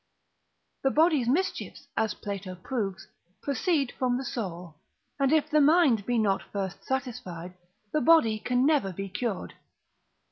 The body's mischiefs, as Plato proves, proceed from the soul: and if the mind be not first satisfied, the body can never be cured.